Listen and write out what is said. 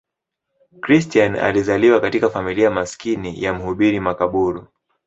Christian alizaliwa katika familia maskini ya mhubiri makaburu.